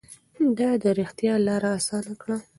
ده د رښتيا لاره اسانه کړه.